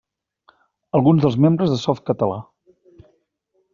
Alguns dels membres de Softcatalà.